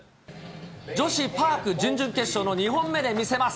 女子パーク準々決勝２本目で見せます。